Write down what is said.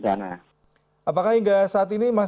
banyak sekali pohon yang tumbang